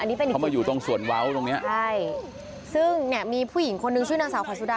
อันนี้เป็นอยู่ไหนครับใช่ซึ่งมีผู้หญิงคนนึงชื่อนางสาวควาซูดา